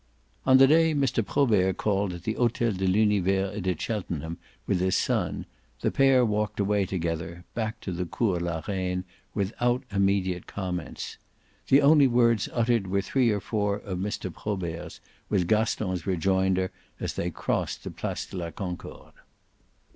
On the day Mr. Probert called at the Hotel de l'Univers et de Cheltenham with his son the pair walked away together, back to the Cours la Reine, without immediate comments. The only words uttered were three or four of Mr. Probert's, with Gaston's rejoinder, as they crossed the Place de la Concorde.